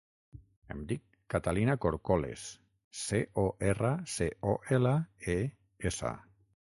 Em dic Catalina Corcoles: ce, o, erra, ce, o, ela, e, essa.